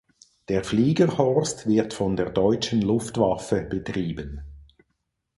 Der Fliegerhorst wird von der deutschen Luftwaffe betrieben.